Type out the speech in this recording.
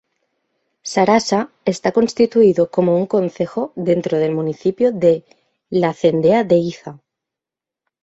Sarasa está constituido como un concejo dentro del municipio de la cendea de Iza.